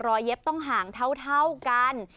เย็บต้องห่างเท่ากัน